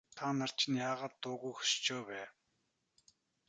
Та нар чинь яагаад дуугүй хөшчихөө вэ?